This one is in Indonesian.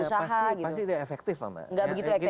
usaha gitu pasti efektif lah mbak gak begitu efektif ya